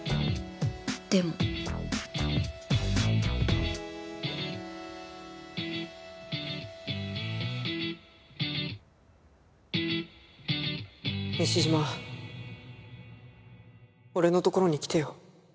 でも西島。俺のところに来てよ。